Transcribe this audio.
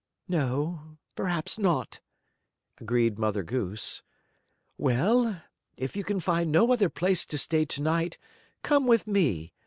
"No, perhaps not," agreed Mother Goose. "Well, if you can find no other place to stay to night come with me.